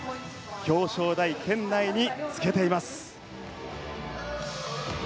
表彰台圏内につけています。